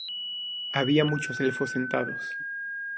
Había muchos elfos sentados.